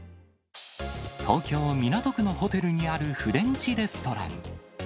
東京・港区のホテルにあるフレンチレストラン。